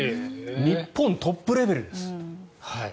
日本トップレベルです。